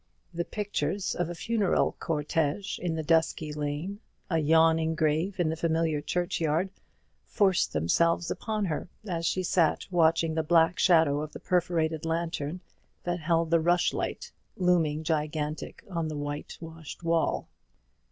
The pictures of a funeral cortège in the dusky lane, a yawning grave in the familiar churchyard, forced themselves upon her as she sat watching the black shadow of the perforated lantern that held the rushlight, looming gigantic on the whitewashed wall.